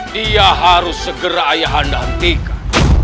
dia harus segera ayah anda hentikan